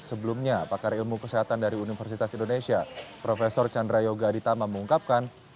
dan sebelumnya pakar ilmu kesehatan dari universitas indonesia prof chandra yoga aditama mengungkapkan